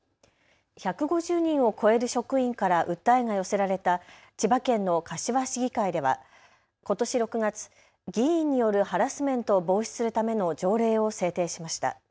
１５０人を超える職員から訴えが寄せられた千葉県の柏市議会ではことし６月、議員によるハラスメントを防止するための条例を制定しました。